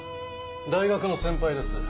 大学の先輩です。